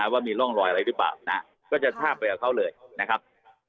ว่ามีร่องรอยอะไรหรือเปล่านะก็จะทาบไปกับเขาเลยนะครับ